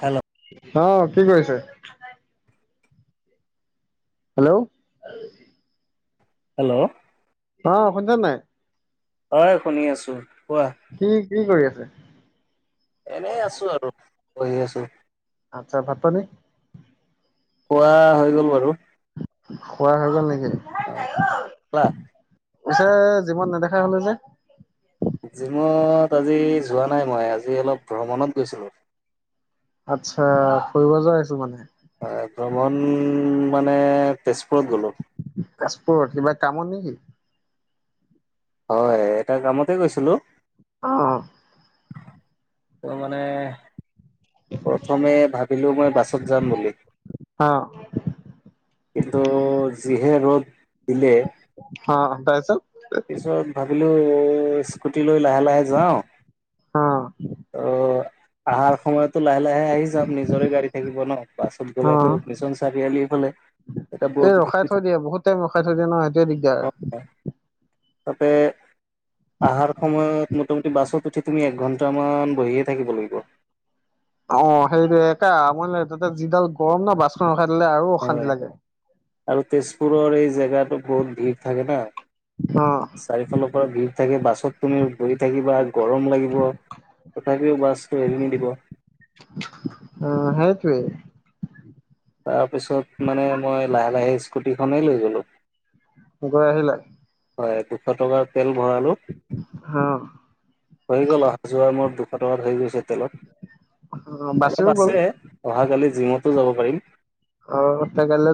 Hello অ কি কৰিছে? হেল্ল' হেল্ল' অ শুনিচান নাই? হয় শুনি আছো। কোৱা কি কি কৰি আছে? এনেই আছো আৰু বহি আছো। আচ্ছা ভাত পানী। খোৱা হৈ গ'ল বাৰু। খোৱা হৈ গ'ল নেকি। অ' কোৱা পিছে জিমত নেদেখা হলো যে? জিমত আজি যোৱা নাই মই আজি অলপ ভ্ৰমণত গৈছিলোঁ। আচ্ছা ফুৰিব যোৱা হৈছ মানে। হয় ভ্ৰমণ মানে তেজপুৰত গলো। তেজপুৰত কিবা কামন নেকি? হয়', এটা কামতে গৈছিলো। অ'। ত মানে। প্ৰথমে ভাবিলোঁ মই বাছত যাম বুলি। অ কিন্তু জিহে ৰ'দ। দিলে অ তাৰ পাছত। পিছত ভাবিলোঁ, স্কুটি লৈ লাহে লাহে যাওঁ। অ অ'। আহাৰ সময়তো লাহে লাহে আহি যাম নিজৰে গাড়ী থাকিব ন, বাছত অ গ'লেতো মিছন চাৰিআলি হ'লে। এই ৰখাই থৈ দিয়ে, বহুত টাইম ৰখাই থৈ দিয়ে ন সেইটোৱে দিগদাৰ হয়। আৰু। তাতে আহাৰ সময়ত ম মোটামুটি বাছত উঠি তুমি একঘণ্টামান বহিয়ে থাকিব লাগিব। অ' সেইটো একে মই তাতে যিডাল গৰম ন বাছখনত। হয়'আৰু তেজপুৰৰ এই জেগাটো বহুত ভিৰ থাকে না, অ চাৰিফালৰ পৰা ভিৰ থাকে। বাছত তুমি বহি থাকিবা গৰম লাগিব তথাপিও বাছউটো এৰি নিদিব। অ সেইটোৱে তাৰপিছত মানে মই লাহে লাহে স্কুটিখনেই লৈ গ'লোঁ। গৈ আহিলে? হয়'দুশ টকাৰ তেল ভৰালো। অ হৈ গ'ল অহা যোৱা মোৰ দুশ টকাত হৈ গৈছে তেলত। বাছেও অলপ গ'ল আছে অহাকালি জীমতো যাব পাৰিম।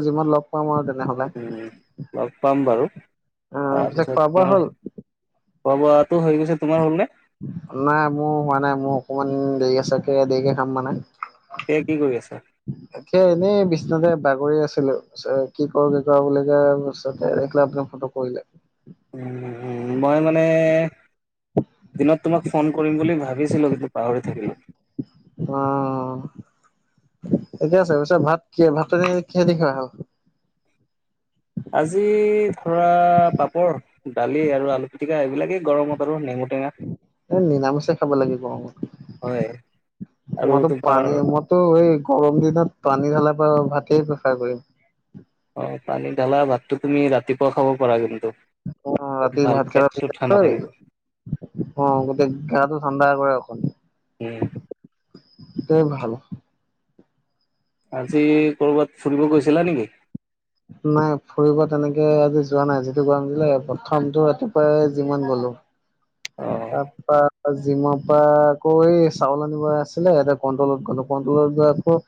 যিমত লগ পাম আৰু তেনেহ'লে। উম। লগ পাম বাৰু অ', পিছে খোৱা তাৰপিছত বোৱা মই হ'ল? খোৱা বোৱাটো হৈ গৈছে তোমাৰ হ'ল নে? নাই মোৰ হোৱা নাই মোৰ অকমান দেৰি আচে তাকে দেৰিকে খাম মানে। এতিয়া কি কৰি আছা? এতিয়া এনেই বিচনাতে বাগৰি আছো। কি কৰোঁ উম, উম, শ্ৰেষ্ঠমই মানে, দিনত তোমাক ফোন কৰিম বুলি ভাবিছিলোঁ কিন্তু পাহৰি থাকিলো। অ'। এতিয়া তাৰপিচত ভাত কি ভাতটো কিহেদি খোৱা হ'ল? আজি ধৰা পাপৰ, দালি আৰু আলু পিটিকা এইবিলাকেই গৰমত আৰু নেমু টেঙা নিৰামিছে খাব লাগিব হয় আৰু মইতো তোমাৰ পানী মইতো এই গৰম দিনত পানী ঢালা ভাতেই প্ৰেফাৰ কৰিম। অ'। পানী ঢালা ভাতটো তুমি, ৰাতিপুৱা খাব পাৰা কিন্তু। অ', ৰাতি ভাল ভাত খালা [unintelligible] পেটটো তিয়াই ঠাণ্ডা থৈ। থাকিব অ', গোটেই গাটো ঠাণ্ডা কৰে অকন। উ, এইটোৱে ভাল। আজি কৰবাত ফুৰিব গৈছিলা নেকি? নাই ফুৰিব তেনেকে আজি যোৱা নাই, যিটো গৰম দিলে প্ৰথমটো ৰাতিপুৱাই যিমান গলো। অ তাৰপা, জিম পা আকৌ এই চাউল আনিব আছিলে, এ কণ্ট্ৰলত গলো কণ্ট্ৰলত যোৱা পাছত,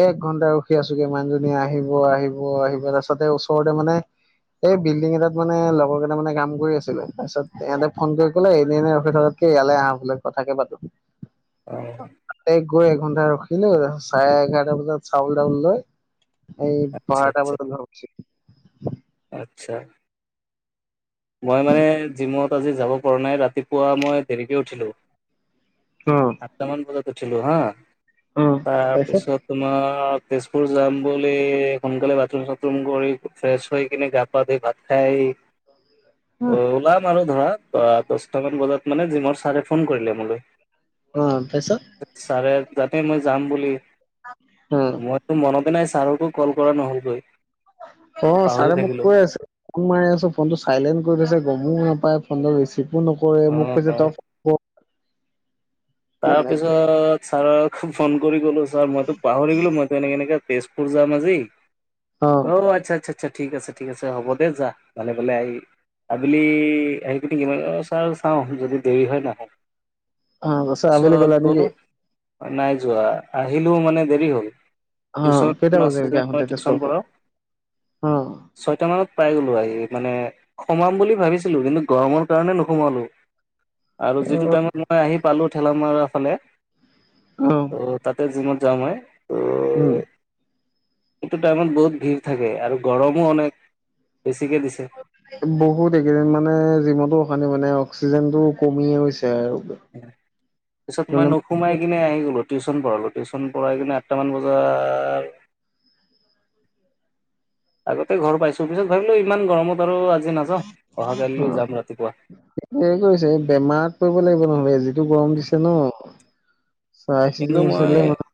এ ঘণ্টা ৰখি আছোগে মানুহজনী আহিব আহিব আহিব, তাৰছতে ওচৰতে মানে, এই বিল্ডিং এটাত মানে লগৰ কেইটা মানে কাম কৰি আছিলে তাৰপিছত ইহঁতে ফোন কৰি বোলে এনে এনেই ৰখিথকাতকৈ ইয়াল আহা বোলে কথাকে পাতোঁ। অহ' গৈ এঘণ্টা ৰখিলো চাৰে এঘাৰটা বজাত চাউল তাউল লৈ এই বাৰটা আচ্ছা বজাত ঘৰৰ পাইছোঁহি। আচ্ছা, মই মানে জিমত টোৰ আজি যাব পৰা নাই ৰাতিপুৱা মই দেৰিকে উঠিলোঁ অ', আঠ টা মান বজাত উঠিলোঁ হা তাৰপিছত তোমাৰ অ' তেজপুৰ যাম বুলি সোনকালে বাথৰুম চাথৰুম কৰিু ফ্ৰেছ হয় কিনে গা পা ধুই ভাত খাই অ' ওলাম আৰু ধৰা তাৰপৰা দহটামান বজাত মানে জিমৰ ছাৰে ফোন কৰিলে মোলৈ। অ', তাৰপিছত ছাৰে আঠটাতে মই যাম বুলি। অ', মইতো মনতে নাই ছাৰকো কল কৰা নহলগৈ। অ' পাহৰি ছাৰে মোক থাকিলো কৈ আছে ফোন মাৰি আছোঁ, ফোনটো চাইলেণ্ট কৰি থৈছে। গমো নাপাই ফোনটো ৰিচিভো নকৰে অ মোক কৈছে তই ফোন ক'ৰ তাৰপিছত ছাৰক ফোন কৰি ক'লো ছাৰ মইতো পাহৰি গ'লো, মইতো এনেকে, এনেকে তেজপুৰ যাম আজি। অ', আচ্ছা, আচ্ছা, আচ্ছা ঠিক আছে, ঠিক আছে হ'ব দে যা, ভালে, ভালে আহিবি। আবেলি আহি বিনে কিমান ও চাৰ চাওঁ যদি দেৰি হয় নাহোঁ। অ' গৈছা আবেলি গ'লা নেকি? নাই যোৱা আহিলো মানে দেৰি হ'ল। অ', টিউশ্যন কেইটা ন আছে যে বাজিলগে মই আহোতে টিউশ্যন তেজপুৰৰ পৰা পঢ়াও, অ', ছয়টা মানত পাই গলোঁ আহি মানে সোমাম বুলি ভাবিছিলোঁ, কিন্তু গৰমৰ কাৰণে নোসোমালোঁ। আৰু যিটো টাইমত মই আহি পালোঁ। ঠেলামৰা ফালে অ', টোৰ তাতে জিমত যাওঁ মই উম। এইটো টাইমত বহুত ভিৰ থাকে, আৰু গৰমো অনেক বেছিকে দিছে। বহুত এইকেইদিন মানে জিমতো অশান্তি মানে অক্সিজেনটো কমিয়ে গৈ পিছত মই নোসোমাই কিনে আহি গ'লো। টিউচন পঢ়ালোঁ, টিউচন পঢ়াই কেনে আঠটামান বজাৰ আগতে ঘৰ পাইছোঁ, পিছত ভাবিলোঁ ইমান গৰমত আৰু আজি নাযাওঁ অহা কালিলৈ যাম ৰাতিপুৱা [unintelligible] কৰিছে, বেমাৰত পৰিব লাগিব নহ'লে যিটো গৰম দিছে ন'। চাই চিতি কিন্তু মই নচলিলে মানুহ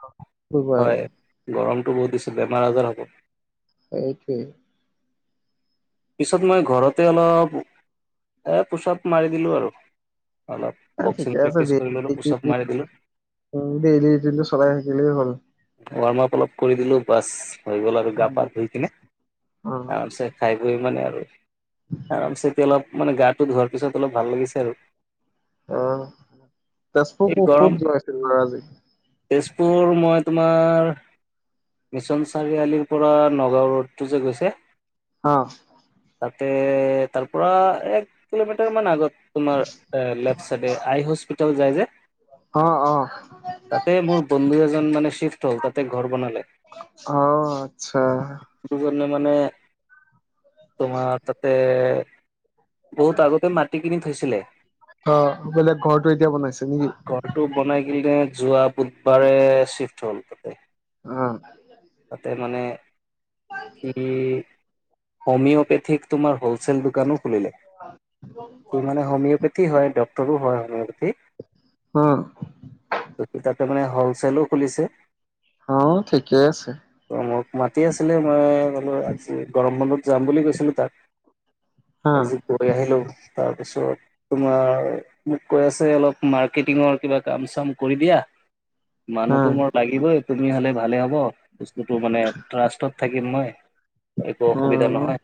পৰিব আৰু হয়, গৰমটো বহুত দিছে বেমাৰ আজাৰ হ'ব। সেইটোৱে। পিছত মই ঘৰতে অলপ এ পোচাপ মাৰি দিলোঁ আৰু। অলপ অ ঠিকে বক্সিং আছে প্ৰেক্টিচ ডেইলি কৰি ল'লো, পোচাপ মাৰি দিলোঁ। [unintelligible] চলাই থাকিলেই হ'ল। ৱাৰ্ম আপ অলপ কৰি দিলোঁ, বাচ হৈ গ'ল আৰু, গা পা ধুই কিনে, অ আৰামচে খাই সিমানেই আৰু আৰামচে অলপ মানে গাটো ধোৱাৰ পিছত অলপ ভাল লাগিছে আৰু। অ', তেজপুৰ এই ক'ত, গৰম ক'ত যোৱা আছিল আজি? তেজপুৰ মই তোমাৰ মিছন চাৰিআলিৰ পৰা নগাঁও ৰোডটো যে, গৈছে। অ'। তাতে, তাৰ পৰা এক কিলোমিটাৰ মান আগত। তোমাৰ এ, লেফ চাইডে আই হস্পিতাল যায় যে। অ অ তাতে মোৰ বন্ধু এজন মানে শ্বিফ্ট হ'ল, তাতে ঘৰ বনালে। অ আচ্ছা দুজনে মানে তোমাৰ তাতে বহুত আগতে মাটি কিনি থৈছিলে। অ বোলে ঘৰটো এতিয়া বনাইছে নেকি? ঘৰটো বনাই কিলে যোৱা বুধবাৰে চিফ্ট হ'ল তাতে, অ তাতে মানে হিই হোমিওপেথিক তোমাৰ হ'লচেল দোকানো খুলিলে। সি মানে হোমিওপেথিক হয় ডক্তৰো হয় হোমিওপেথিক। অহ' তাৰমানে হ'লচেলো খুলিছে। অ ঠিকে আছে তোৰ মোক মাতি আছিলে মই বোলোঁ আজি মই বোলোঁ যাম বুলি কৈছিলোঁ তাক অ আজি গৈ আহিলোঁ তাত। তাৰপিছত তোমাৰ মোক কৈ আছে অলপ মাৰ্কেটিঙৰ কিবা কাম চাম কৰিবি আহ। অ মানুহতো মোৰ লাগিবই তুমি হ'লে ভালে হ'ব বস্তুটো মানে ট্ৰাষ্টত থাকিম মই একো অ অসুবিধা নহয়।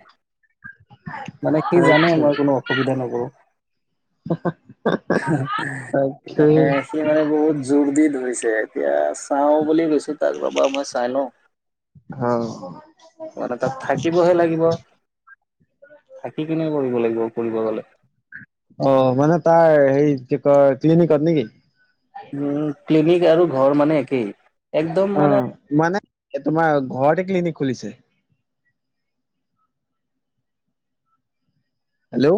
মানে সি জানে তাকে মই কোনো অসুবিধা নকৰোঁ। তাকে মানে সি মানে বহুত জোৰ দি ধৰিছে এতিয়া চাওঁ বুলি কৈছোঁ তাক ৰবা মই চাই লওঁ। ভাল মানে তাত থাকিবহে লাগিব থাকি কিনে কৰিব লাগিব কৰিব গ'লে অ' মানে তাৰ সেই ক্লিনিকত নে কি? উ, ক্লিনিক আৰু ঘৰ মানে একেই, একদম মানে এ, তোমাৰ ঘৰতে ক্লিনিক খুলিছে। হেলো।